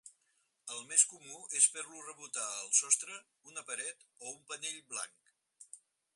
El més comú és fer-lo rebotar al sostre, una paret o un panell blanc.